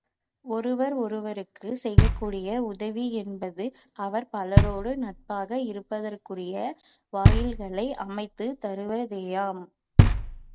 ஒருவர் ஒருவருக்குச் செய்யக்கூடிய உதவி என்பது அவர் பலரோடு நட்பாக இருப்பதற்குரிய வாயில்களை அமைத்துத் தருவதேயாம்.